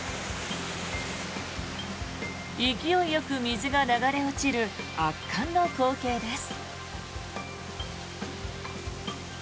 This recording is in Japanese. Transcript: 勢いよく水が流れ落ちる圧巻の光景です。